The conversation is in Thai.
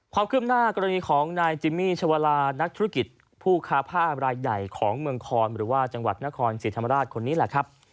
ความคืบหน้ากรณีของนายจิมมี่ชวาลานักธุรกิจผู้ค้าผ้ารายใหญ่ของเมืองคอนหรือว่าจังหวัดนครศรีธรรมราชคนนี้แหละครับ